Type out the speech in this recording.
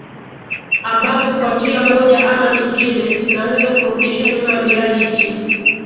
ambazo kwa njia moja ama nyingine zinaweza kurudisha nyuma miradi hii